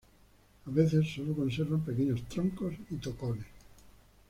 A veces solo conservan "pequeños troncos" y tocones.